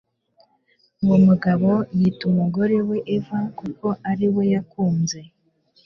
Uwo mugabo yita umugore we Eva kuko ari we yakunze